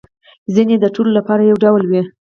ځینې يې د ټولو لپاره یو ډول وي